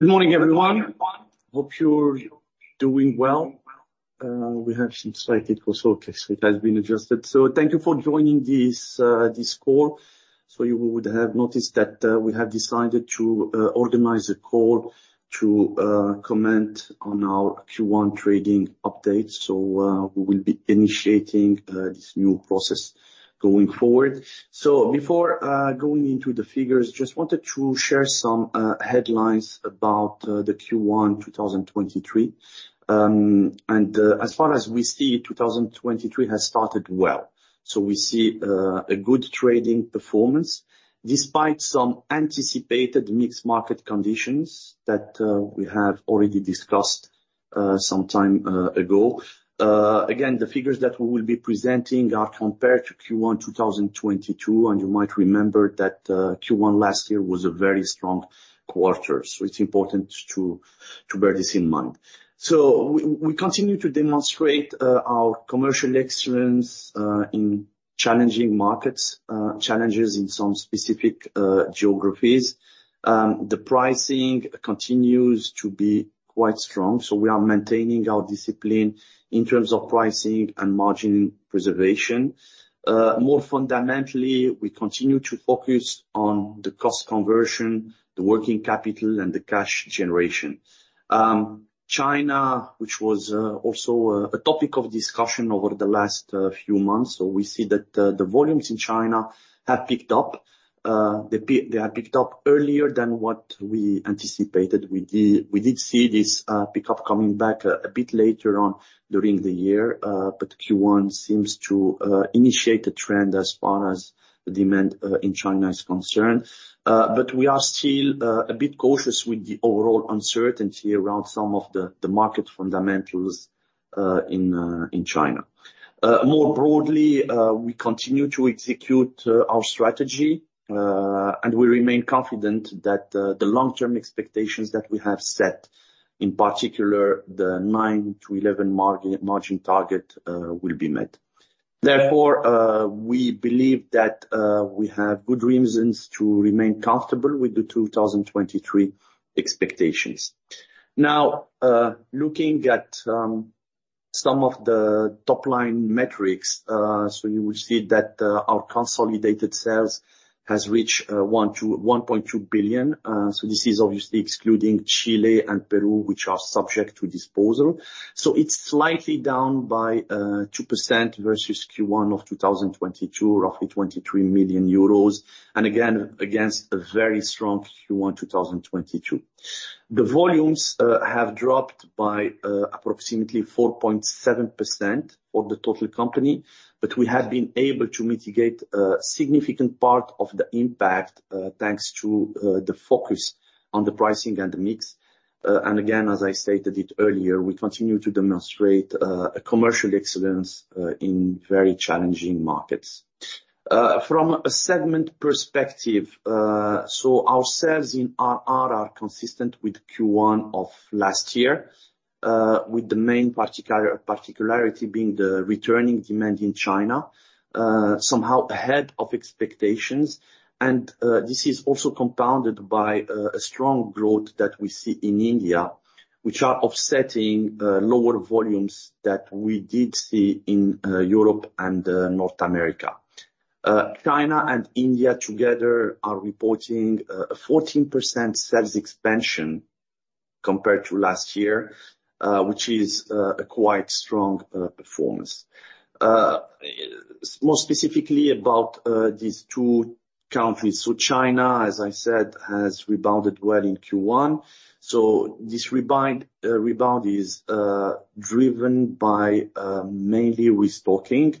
Good morning, everyone. Hope you're doing well. We have some slight echo so it has been adjusted. Thank you for joining this call. You would have noticed that we have decided to organize a call to comment on our Q1 trading update. We will be initiating this new process going forward. Before going into the figures, just wanted to share some headlines about the Q1 2023. As far as we see, 2023 has started well. We see a good trading performance despite some anticipated mixed market conditions that we have already discussed some time ago. Again, the figures that we will be presenting are compared to Q1 2022. You might remember that Q1 last year was a very strong quarter. It's important to bear this in mind. We continue to demonstrate our commercial excellence in challenging markets, challenges in some specific geographies. The pricing continues to be quite strong. We are maintaining our discipline in terms of pricing and margin preservation. More fundamentally, we continue to focus on the cost conversion, the working capital and the cash generation. China, which was also a topic of discussion over the last few months. We see that the volumes in China have picked up. They have picked up earlier than what we anticipated. We did see this pickup coming back a bit later on during the year, but Q1 seems to initiate a trend as far as demand in China is concerned. We are still a bit cautious with the overall uncertainty around some of the market fundamentals in China. More broadly, we continue to execute our strategy, and we remain confident that the long-term expectations that we have set, in particular the 9%-11% margin target, will be met. We believe that we have good reasons to remain comfortable with the 2023 expectations. Looking at some of the top-line metrics, you will see that our consolidated sales has reached 1 billion-1.2 billion. This is obviously excluding Chile and Peru, which are subject to disposal. It's slightly down by 2% versus Q1 of 2022, roughly 23 million euros. Again, against a very strong Q1 2022. The volumes have dropped by approximately 4.7% for the total company. We have been able to mitigate a significant part of the impact thanks to the focus on the pricing and the mix. Again, as I stated it earlier, we continue to demonstrate a commercial excellence in very challenging markets. From a segment perspective, our sales in RR are consistent with Q1 of last year, with the main particularity being the returning demand in China somehow ahead of expectations. This is also compounded by a strong growth that we see in India, which are offsetting lower volumes that we did see in Europe and North America. China and India together are reporting a 14% sales expansion compared to last year, which is a quite strong performance. Most specifically about these two countries. China, as I said, has rebounded well in Q1. This rebound is driven by mainly restocking.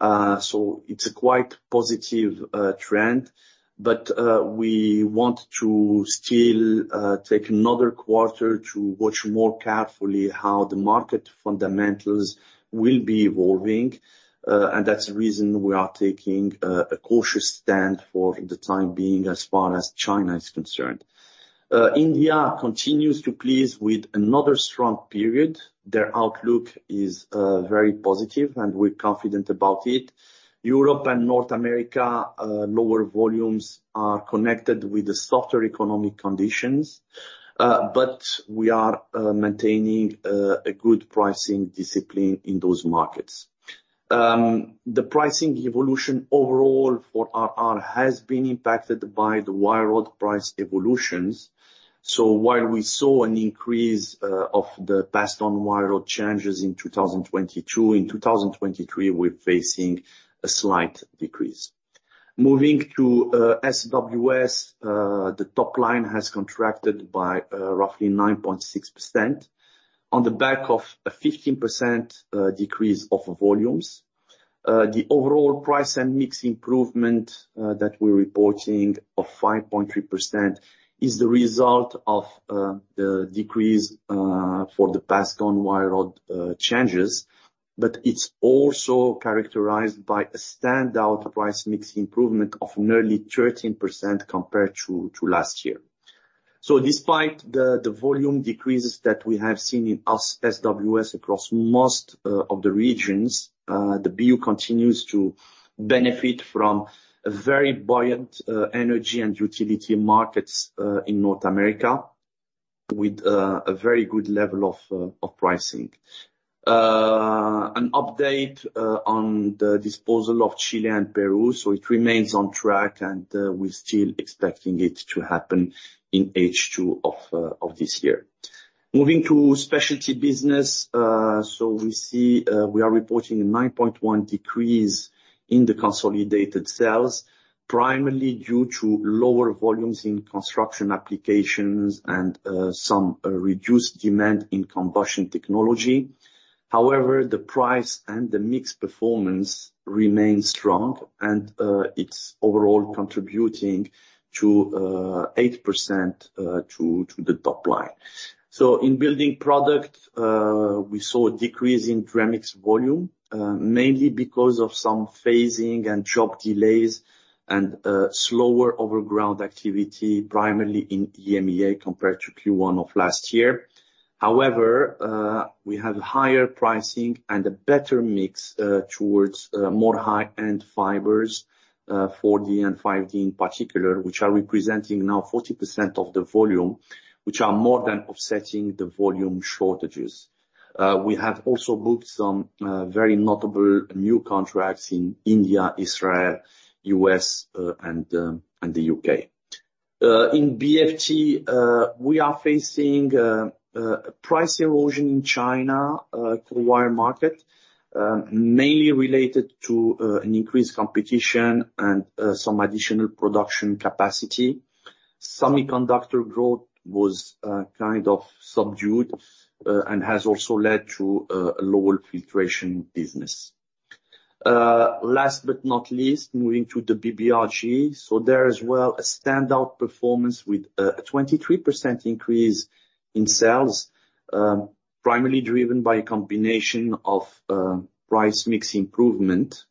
It's a quite positive trend. We want to still take another quarter to watch more carefully how the market fundamentals will be evolving, and that's the reason we are taking a cautious stand for the time being as far as China is concerned. India continues to please with another strong period. Their outlook is very positive, and we're confident about it. Europe and North America, lower volumes are connected with the softer economic conditions, but we are maintaining a good pricing discipline in those markets. The pricing evolution overall for RR has been impacted by the wire rod price evolutions. While we saw an increase of the passed on wire rod changes in 2022, in 2023, we're facing a slight decrease. Moving to SWS, the top line has contracted by roughly 9.6% on the back of a 15% decrease of volumes. The overall price and mix improvement that we're reporting of 5.3% is the result of the decrease for the passed on wire rod changes. It's also characterized by a standout price mix improvement of nearly 13% compared to last year. Despite the volume decreases that we have seen in SWS across most of the regions, the BU continues to benefit from very buoyant energy and utility markets in North America. With a very good level of pricing. An update on the disposal of Chile and Peru. It remains on track, and we're still expecting it to happen in H2 of this year. Moving to specialty business, we see we are reporting a 9.1% decrease in the consolidated sales, primarily due to lower volumes in construction applications and some reduced demand in Combustion Technology. However, the price and the mix performance remain strong and it's overall contributing to 8%, to the top line. In building product, we saw a decrease in Dramix® volume, mainly because of some phasing and job delays and slower overground activity primarily in EMEA compared to Q1 of last year. However, we have higher pricing and a better mix, towards more high-end fibers, 4D and 5D in particular, which are representing now 40% of the volume, which are more than offsetting the volume shortages. We have also booked some very notable new contracts in India, Israel, U.S., and the U.K. In BFT, we are facing price erosion in China, cord wire market, mainly related to an increased competition and some additional production capacity. Semiconductor growth was kind of subdued and has also led to a lower filtration business. Last but not least, moving to the BBRG. There as well, a standout performance with a 23% increase in sales, primarily driven by a combination of price mix improvement,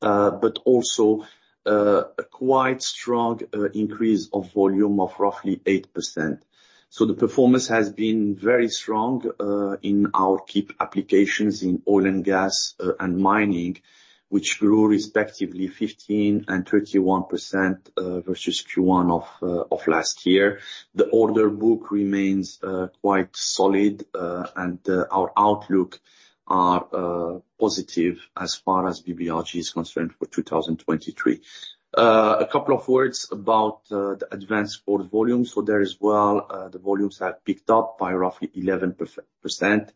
but also a quite strong increase of volume of roughly 8%. The performance has been very strong in our key applications in oil and gas and mining, which grew respectively 15% and 21% versus Q1 of last year. The order book remains quite solid, and our outlook are positive as far as BBRG is concerned for 2023. A couple of words about the advanced volumes. There as well, the volumes have picked up by roughly 11%,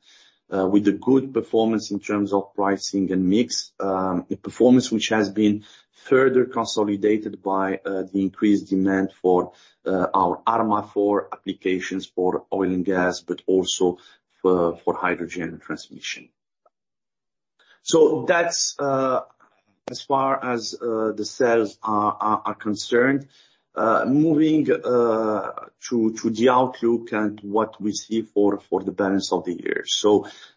with a good performance in terms of pricing and mix. A performance which has been further consolidated by the increased demand for our Armofor applications for oil and gas, but also for hydrogen transmission. That's as far as the sales are concerned. Moving to the outlook and what we see for the balance of the year.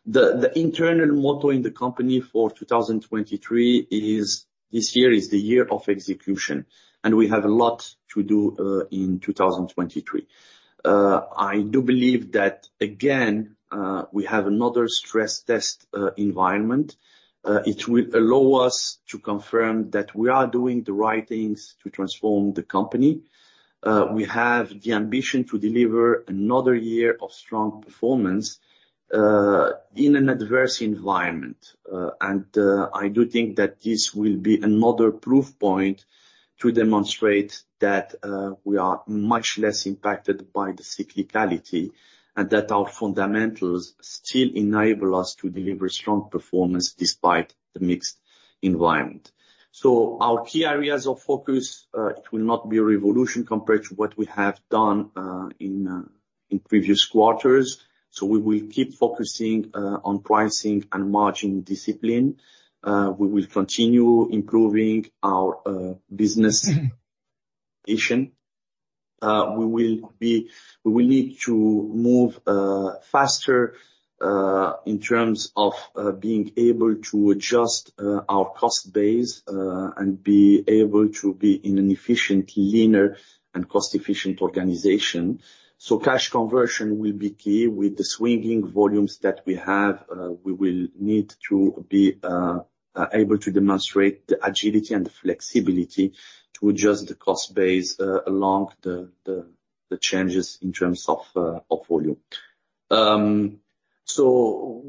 The internal motto in the company for 2023 is, this year is the year of execution. We have a lot to do in 2023. I do believe that again, we have another stress test environment. It will allow us to confirm that we are doing the right things to transform the company. We have the ambition to deliver another year of strong performance in an adverse environment. I do think that this will be another proof point to demonstrate that we are much less impacted by the cyclicality, and that our fundamentals still enable us to deliver strong performance despite the mixed environment. Our key areas of focus, it will not be a revolution compared to what we have done in previous quarters. We will keep focusing on pricing and margin discipline. We will continue improving our business ignition. We will need to move faster in terms of being able to adjust our cost base and be able to be in an efficient, leaner and cost-efficient organization. Cash conversion will be key. With the swinging volumes that we have, we will need to be able to demonstrate the agility and flexibility to adjust the cost base along the changes in terms of volume.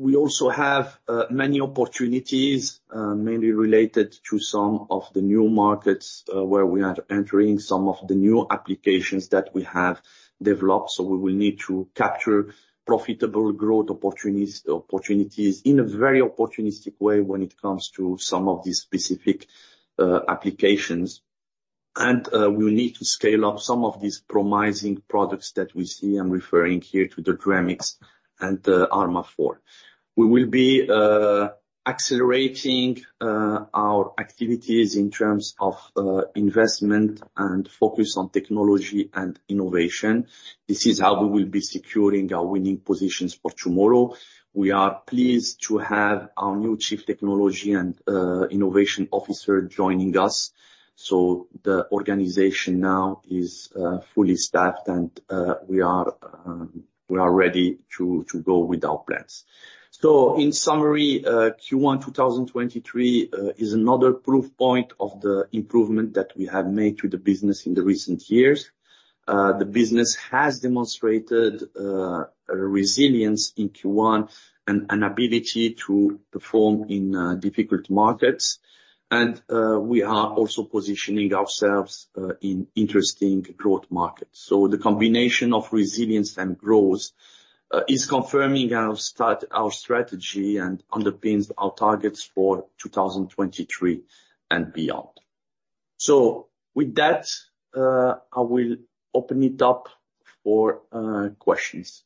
We also have many opportunities mainly related to some of the new markets where we are entering some of the new applications that we have developed. We will need to capture profitable growth opportunities in a very opportunistic way when it comes to some of these specific applications. We will need to scale up some of these promising products that we see. I'm referring here to the Dramix and the Armofor. We will be accelerating our activities in terms of investment and focus on technology and innovation. This is how we will be securing our winning positions for tomorrow. We are pleased to have our new Chief Technology and Innovation Officer joining us. The organization now is fully staffed and we are ready to go with our plans. In summary, Q1 2023 is another proof point of the improvement that we have made to the business in the recent years. The business has demonstrated a resilience in Q1 and an ability to perform in difficult markets. We are also positioning ourselves in interesting growth markets. The combination of resilience and growth is confirming our strategy and underpins our targets for 2023 and beyond. With that, I will open it up for questions.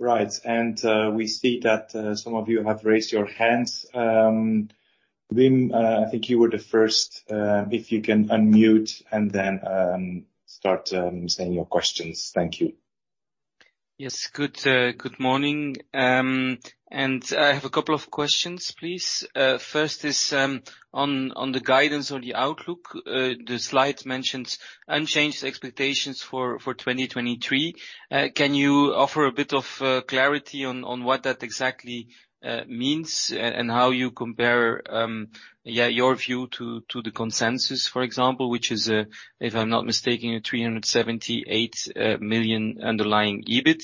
Right. We see that, some of you have raised your hands. Wim, I think you were the first. If you can unmute and then, start, saying your questions. Thank you. Yes. Good morning. I have a couple of questions, please. First is on the guidance on the outlook. The slide mentions unchanged expectations for 2023. Can you offer a bit of clarity on what that exactly means and how you compare, yeah, your view to the consensus, for example, which is, if I'm not mistaken, a 378 million underlying EBIT.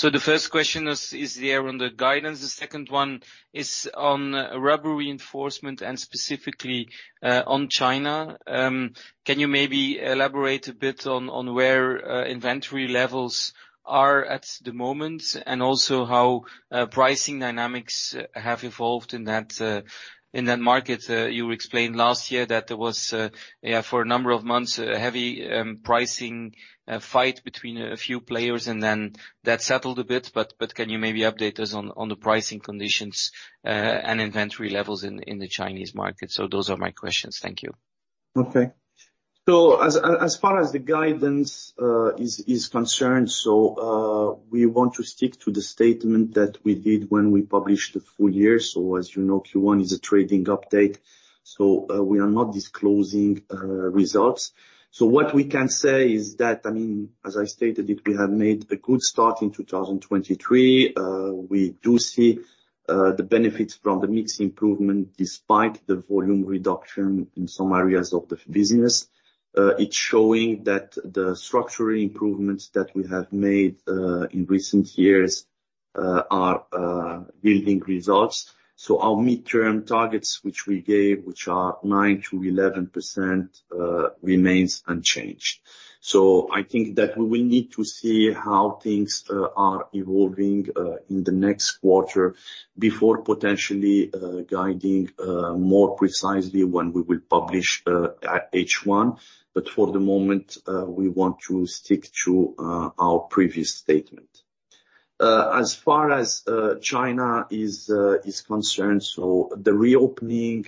The first question is there on the guidance. The second one is on rubber reinforcement and specifically on China. Can you maybe elaborate a bit on where inventory levels are at the moment and also how pricing dynamics have evolved in that market? You explained last year that there was, yeah, for a number of months, a heavy pricing fight between a few players and then that settled a bit, but can you maybe update us on the pricing conditions, and inventory levels in the Chinese market? Those are my questions. Thank you. Okay. As far as the guidance is concerned, we want to stick to the statement that we did when we published the full year. As you know Q1 is a trading update, we are not disclosing results. What we can say is that, I mean, as I stated it, we have made a good start in 2023. We do see the benefits from the mix improvement despite the volume reduction in some areas of the business. It's showing that the structural improvements that we have made in recent years are building results. Our midterm targets, which we gave, which are 9%-11%, remains unchanged. I think that we will need to see how things are evolving in the next quarter before potentially guiding more precisely when we will publish H1. For the moment, we want to stick to our previous statement. As far as China is concerned, so the reopening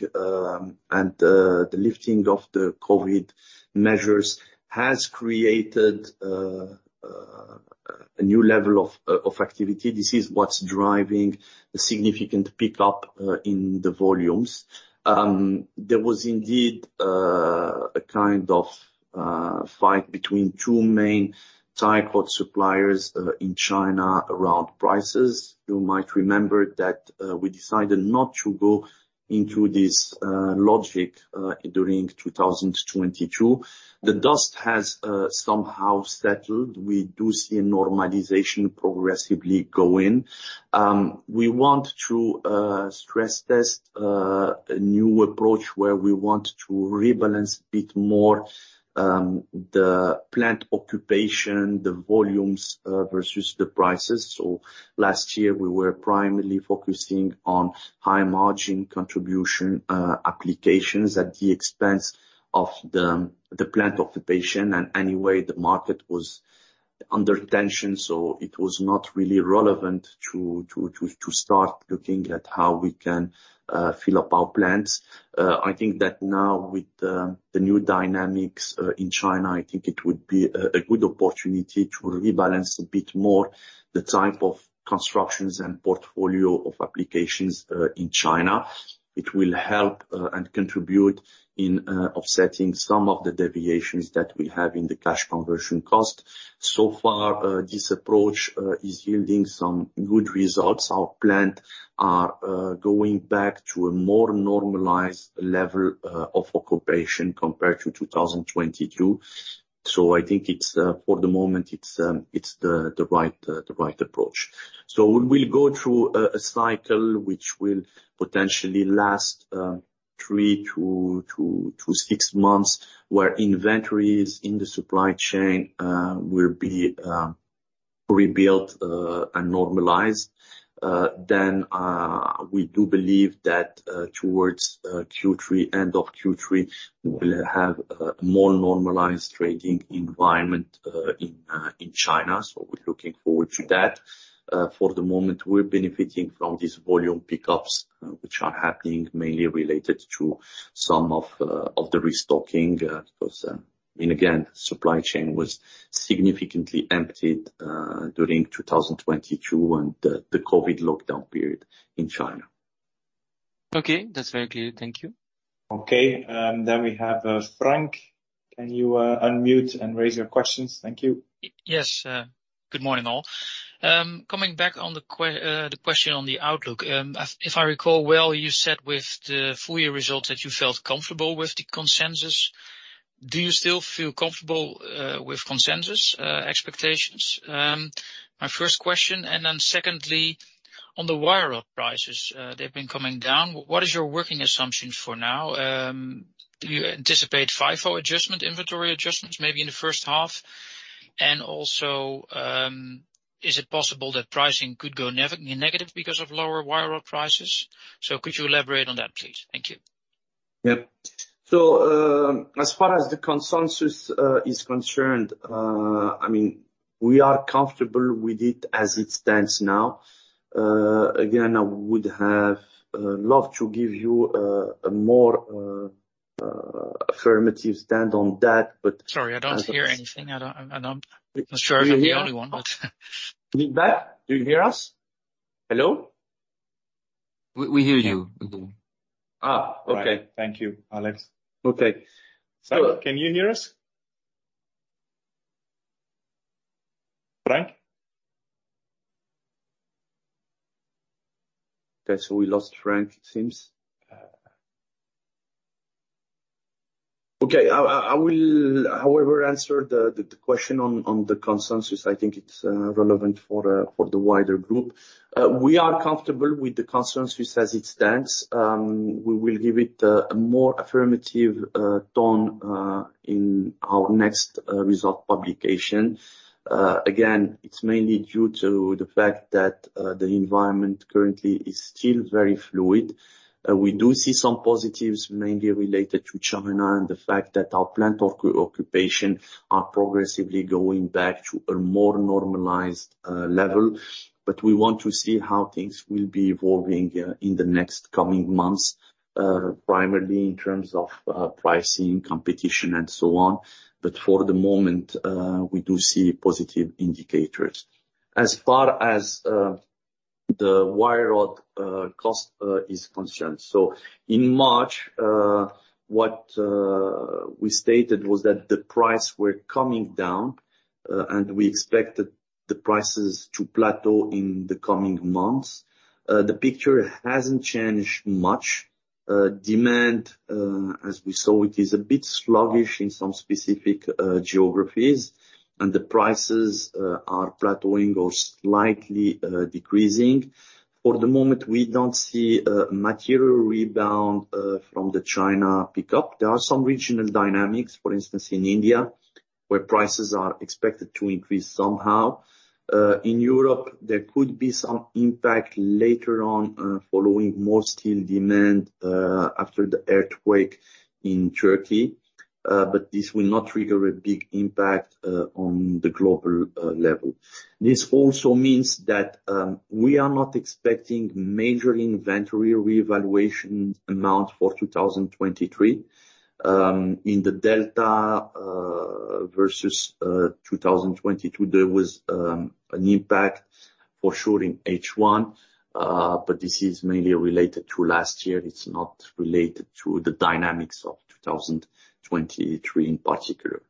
and the lifting of the COVID measures has created a new level of activity. This is what's driving the significant pickup in the volumes. There was indeed a kind of fight between two main type of suppliers in China around prices. You might remember that we decided not to go into this logic during 2022. The dust has somehow settled. We do see a normalization progressively going. We want to stress test a new approach where we want to rebalance a bit more the plant occupation, the volumes versus the prices. Last year we were primarily focusing on high margin contribution applications at the expense of the plant occupation, and anyway, the market was under tension, so it was not really relevant to start looking at how we can fill up our plants. I think that now with the new dynamics in China, I think it would be a good opportunity to rebalance a bit more the type of constructions and portfolio of applications in China. It will help and contribute in offsetting some of the deviations that we have in the cash conversion cost. So far, this approach is yielding some good results. Our plant are going back to a more normalized level of occupation compared to 2022. I think it's for the moment, it's the right approach. We will go through a cycle which will potentially last 3 to 6 months, where inventories in the supply chain will be rebuilt and normalized. We do believe that towards Q3, end of Q3, we will have a more normalized trading environment in China. We're looking forward to that. For the moment, we're benefiting from these volume pickups, which are happening mainly related to some of the restocking, because and again, supply chain was significantly emptied during 2022 when the COVID lockdown period in China. Okay. That's very clear. Thank you. Okay. We have Frank. Can you unmute and raise your questions? Thank you. Yes. Good morning, all. Coming back on the question on the outlook. If, if I recall well, you said with the full year results that you felt comfortable with the consensus. Do you still feel comfortable with consensus expectations? My first question. Then secondly, on the wire prices, they've been coming down. What is your working assumption for now? Do you anticipate FIFO adjustment, inventory adjustments maybe in the first half? Is it possible that pricing could go negative because of lower wire rod prices? Could you elaborate on that, please? Thank you. Yeah. As far as the consensus is concerned, I mean, we are comfortable with it as it stands now. Again, I would have loved to give you a more affirmative stand on that. Sorry, I don't hear anything. I'm not sure if I'm the only one, but. Are you back? Do you hear us? Hello? We hear you. Okay. Thank you, Alex. Okay. Can you hear us? Frank? Okay. We lost Frank, it seems. Okay. I will, however, answer the question on the consensus. I think it's relevant for the wider group. We are comfortable with the consensus as it stands. We will give it a more affirmative tone in our next result publication. Again, it's mainly due to the fact that the environment currently is still very fluid. We do see some positives mainly related to China and the fact that our plant occupation are progressively going back to a more normalized level. We want to see how things will be evolving in the next coming months, primarily in terms of pricing, competition and so on. For the moment, we do see positive indicators. As far as the wire rod cost is concerned. In March, what we stated was that the price were coming down, and we expected the prices to plateau in the coming months. The picture hasn't changed much. Demand, as we saw, it is a bit sluggish in some specific geographies, and the prices are plateauing or slightly decreasing. For the moment, we don't see a material rebound from the China pickup. There are some regional dynamics, for instance, in India, where prices are expected to increase somehow. In Europe, there could be some impact later on, following more steel demand, after the earthquake in Turkey. This will not trigger a big impact, on the global level. This also means that we are not expecting major inventory reevaluation amount for 2023, in the delta versus 2022, there was an impact for sure in H1, but this is mainly related to last year. It's not related to the dynamics of 2023 in particular.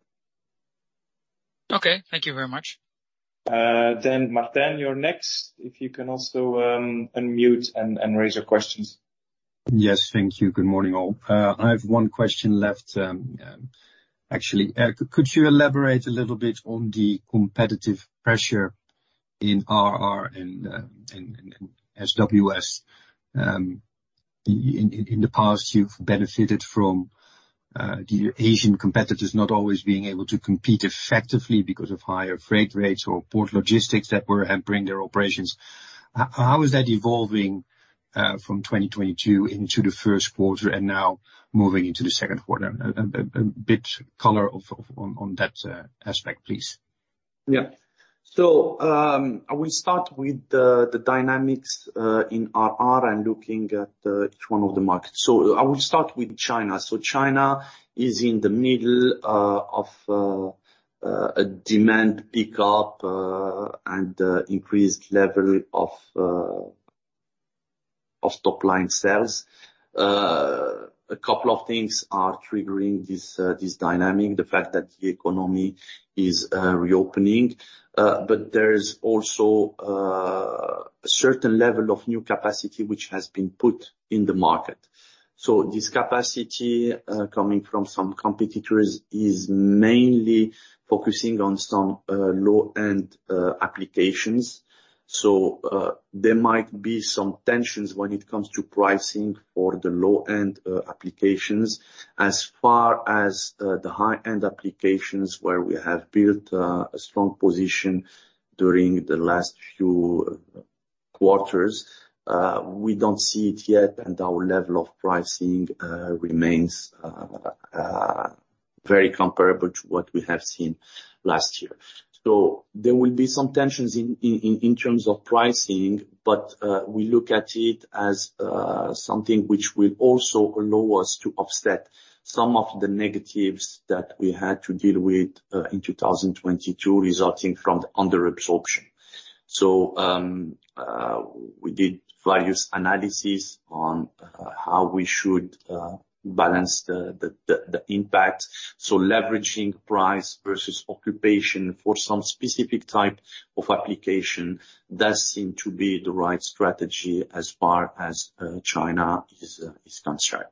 Okay. Thank you very much. Martin, you're next. If you can also, unmute and raise your questions. Yes. Thank you. Good morning, all. I have one question left. Actually, could you elaborate a little bit on the competitive pressure in RR and SWS? In the past, you've benefited from the Asian competitors not always being able to compete effectively because of higher freight rates or port logistics that were hampering their operations. How is that evolving from 2022 into the first quarter and now moving into the second quarter? A bit color of... on that aspect, please. Yeah. I will start with the dynamics in RR and looking at each one of the markets. I will start with China. China is in the middle of a demand pickup and increased level of top-line sales. A couple of things are triggering this dynamic, the fact that the economy is reopening. But there is also a certain level of new capacity which has been put in the market. This capacity, coming from some competitors is mainly focusing on some low-end applications. There might be some tensions when it comes to pricing for the low-end applications. As far as the high-end applications where we have built a strong position during the last few quarters, we don't see it yet, and our level of pricing remains very comparable to what we have seen last year. There will be some tensions in terms of pricing, but we look at it as something which will also allow us to offset some of the negatives that we had to deal with in 2022, resulting from the under absorption. We did various analysis on how we should balance the impact. Leveraging price versus occupation for some specific type of application does seem to be the right strategy as far as China is concerned.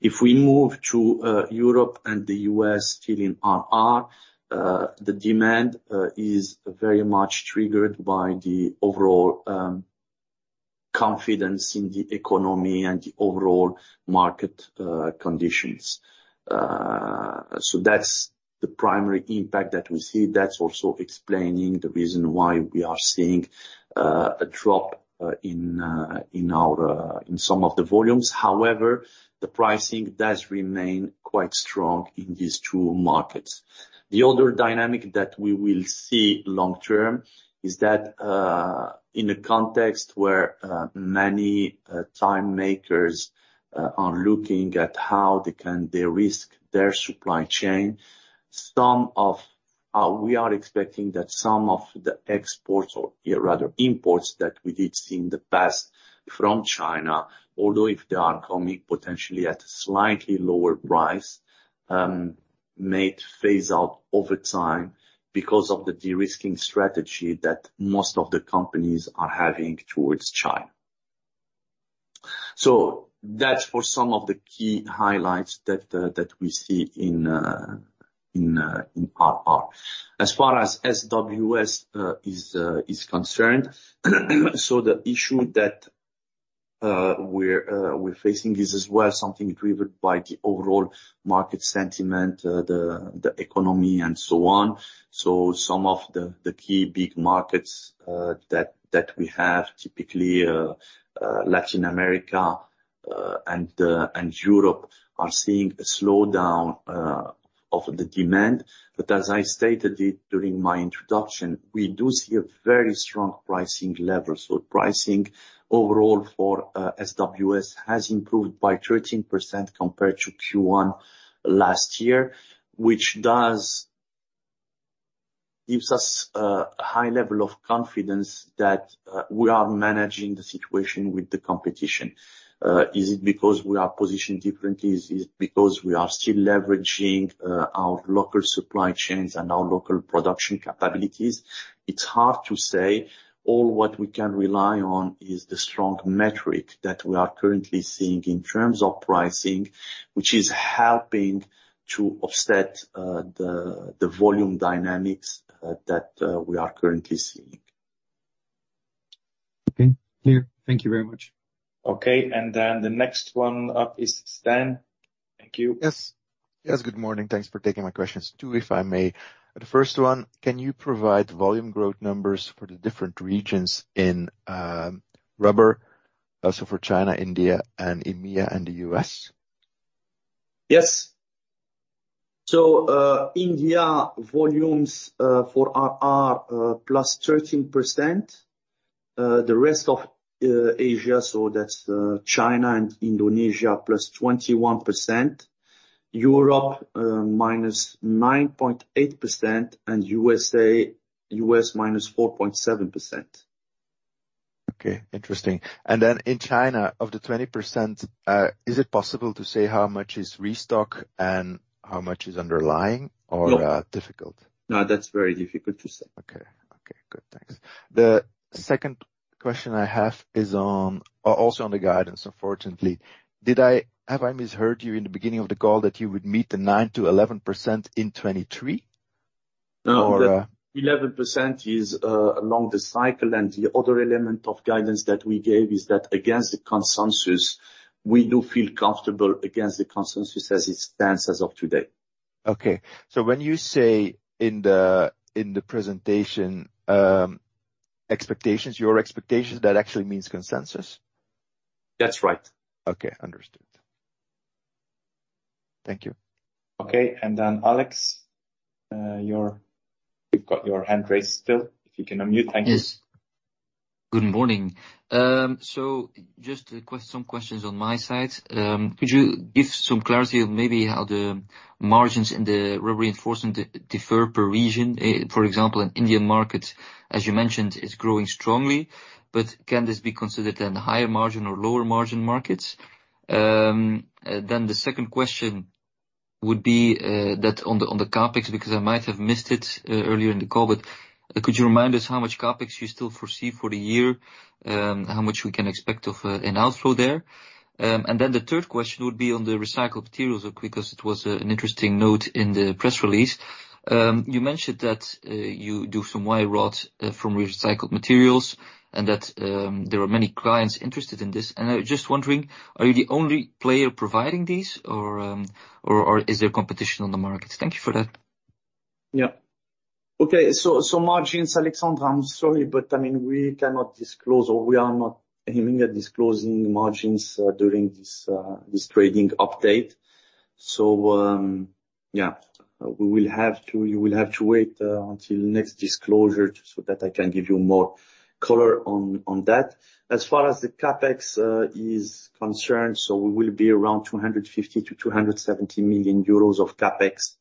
If we move to Europe and the US still in RR, the demand is very much triggered by the overall confidence in the economy and the overall market conditions. That's the primary impact that we see. That's also explaining the reason why we are seeing a drop in some of the volumes. However, the pricing does remain quite strong in these two markets. The other dynamic that we will see long-term is that in a context where many tire makers are looking at how they can de-risk their supply chain, some of we are expecting that some of the exports or rather imports that we did see in the past from China, although if they are coming potentially at a slightly lower price, may phase out over time because of the de-risking strategy that most of the companies are having towards China. That's for some of the key highlights that we see in RR. As far as SWS is concerned, the issue that we're facing is as well something driven by the overall market sentiment, the economy and so on. Some of the key big markets, that we have typically, Latin America, and Europe are seeing a slowdown of the demand. As I stated it during my introduction, we do see a very strong pricing level. Pricing overall for SWS has improved by 13% compared to Q1 last year, which gives us a high level of confidence that we are managing the situation with the competition. Is it because we are positioned differently? Is it because we are still leveraging our local supply chains and our local production capabilities? It's hard to say. All what we can rely on is the strong metric that we are currently seeing in terms of pricing, which is helping to offset the volume dynamics that we are currently seeing. Okay. Clear. Thank you very much. Okay. The next one up is Stan. Thank you. Yes. Yes. Good morning. Thanks for taking my questions too, if I may. The first one, can you provide volume growth numbers for the different regions in rubber, also for China, India, and EMEA and the US? Yes. India volumes for R.R. +13%. The rest of Asia, so that's China and Indonesia, +21%. Europe -9.8%, and USA, US -4.7%. Okay. Interesting. In China, of the 20%, is it possible to say how much is restock and how much is underlying or- No. Difficult? No, that's very difficult to say. Okay. Okay, good. Thanks. The second question I have is on, also on the guidance, unfortunately. Have I misheard you in the beginning of the call that you would meet the 9% to 11% in 2023? Or? The 11% is along the cycle, and the other element of guidance that we gave is that against the consensus, we do feel comfortable against the consensus as it stands as of today. Okay. When you say in the, in the presentation, expectations, your expectations, that actually means consensus? That's right. Okay. Understood. Thank you. Okay. Alex, You've got your hand raised still, if you can unmute. Thank you. Yes. Good morning. Just some questions on my side. Could you give some clarity on maybe how the margins in the reinforcement differ per region? For example, an Indian market, as you mentioned, is growing strongly, but can this be considered in higher margin or lower margin markets? The second question would be that on the CapEx, because I might have missed it earlier in the call, but could you remind us how much CapEx you still foresee for the year? How much we can expect of an outflow there? The third question would be on the recycled materials, because it was an interesting note in the press release. You mentioned that you do some wire rod from recycled materials, and that there are many clients interested in this. I was just wondering, are you the only player providing these or is there competition on the market? Thank you for that. Okay. margins, Alexandre, I'm sorry, but I mean, we cannot disclose or we are not aiming at disclosing margins during this trading update. You will have to wait until next disclosure so that I can give you more color on that. As far as the CapEx is concerned, we will be around 250 million-270 million euros of CapEx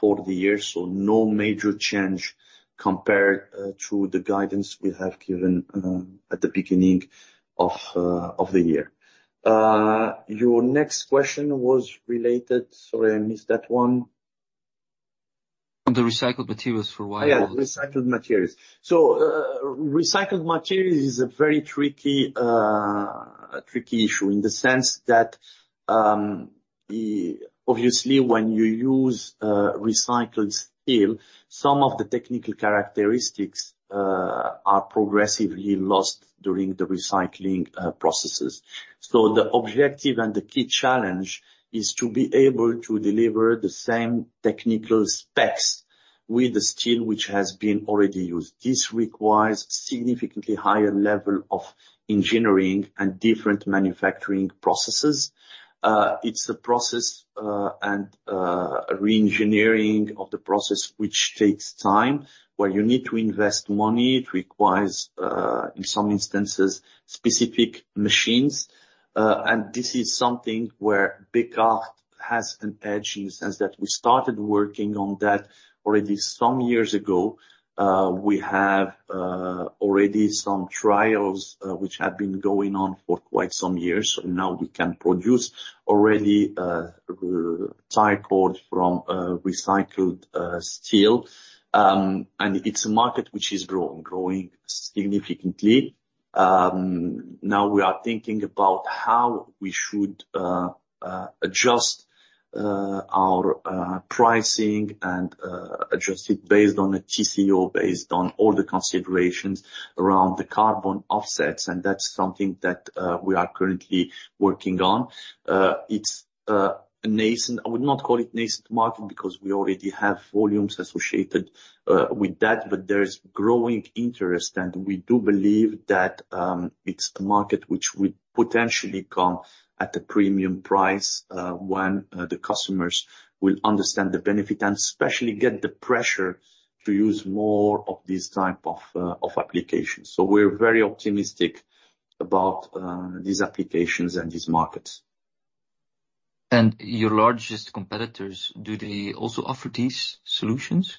for the year. No major change compared to the guidance we have given at the beginning of the year. Your next question. Sorry, I missed that one. On the recycled materials for wire rod. Yeah, recycled materials. recycled materials is a very tricky tricky issue in the sense that obviously, when you use recycled steel, some of the technical characteristics are progressively lost during the recycling processes. The objective and the key challenge is to be able to deliver the same technical specs with the steel which has been already used. This requires significantly higher level of engineering and different manufacturing processes. It's a process and reengineering of the process, which takes time, where you need to invest money. It requires, in some instances, specific machines. And this is something where Bekaert has an edge in the sense that we started working on that already some years ago. We have already some trials which have been going on for quite some years. Now we can produce already Tycord from recycled steel. It's a market which is growing significantly. Now we are thinking about how we should adjust our pricing and adjust it based on a TCO, based on all the considerations around the carbon offsets. That's something that we are currently working on. It's I would not call it nascent market because we already have volumes associated with that, but there's growing interest. We do believe that it's a market which will potentially come at a premium price when the customers will understand the benefit and especially get the pressure to use more of these type of applications. We're very optimistic about these applications and these markets. Your largest competitors, do they also offer these solutions?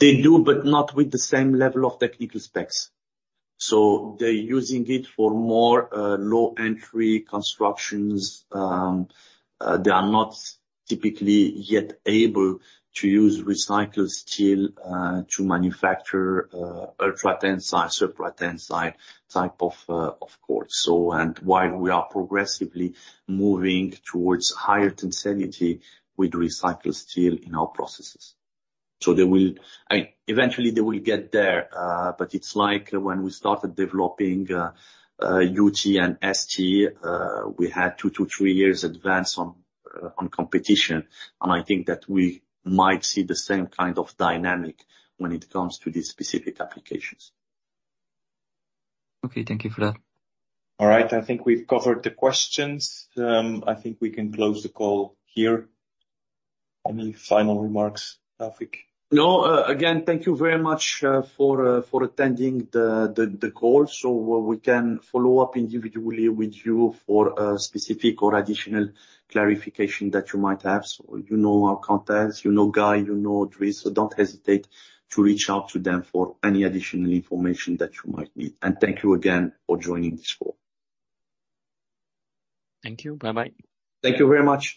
They do, but not with the same level of technical specs. So they're using it for more low entry constructions. They are not typically yet able to use recycled steel to manufacture ultra-high tensile, super high tensile type of cord. And while we are progressively moving towards higher tenacity with recycled steel in our processes. Eventually they will get there, but it's like when we started developing UT and ST, we had 2 to 3 years advance on competition. And I think that we might see the same kind of dynamic when it comes to these specific applications. Okay. Thank you for that. All right. I think we've covered the questions. I think we can close the call here. Any final remarks, Rafik? No. again, thank you very much for attending the call. We can follow up individually with you for a specific or additional clarification that you might have. You know our contacts, you know Guy, you know Dries, so don't hesitate to reach out to them for any additional information that you might need. Thank you again for joining this call. Thank you. Bye-bye. Thank you very much.